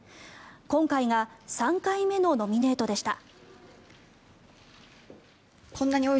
今回が３回目のノミネートでした。